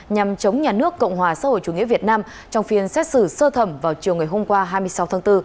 nhằm chống nhà nước cộng hòa xã hội chủ nghĩa việt nam trong phiên xét xử sơ thẩm vào chiều ngày hôm qua hai mươi sáu tháng bốn